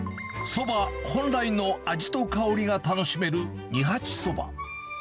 そば本来の味と香りが楽しめる二八そば。